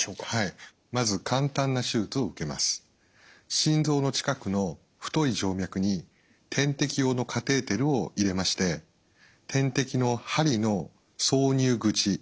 心臓の近くの太い静脈に点滴用のカテーテルを入れまして点滴の針の挿入口ポートをですね